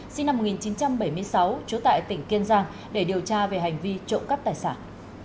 sinh năm một nghìn chín trăm bảy mươi sáu trú tại tỉnh kiên giang để điều tra về hành vi trộm cắp tài sản